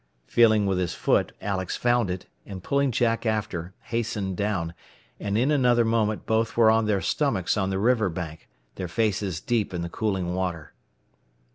Feeling with his foot, Alex found it, and pulling Jack after, hastened down, and in another moment both were on their stomachs on the river bank, their faces deep in the cooling water.